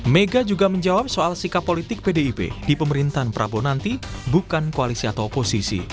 mega juga menjawab soal sikap politik pdip di pemerintahan prabowo nanti bukan koalisi atau oposisi